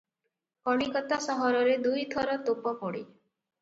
କଲିକତା ସହରରେ ଦୁଇ ଥର ତୋପ ପଡ଼େ ।